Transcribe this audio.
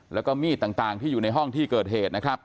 แล้วก็มีดต่างที่อยู่ในห้องที่เกิดเหตุนะครับ